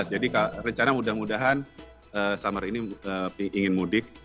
jadi rencana mudah mudahan summer ini ingin mudik